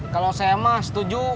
kalo saya emak setuju